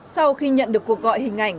sau khi nhận được cuộc gọi hình ảnh